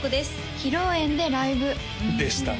披露宴でライブでしたね